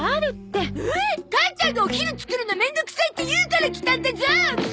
母ちゃんがお昼作るの面倒くさいって言うから来たんだゾ！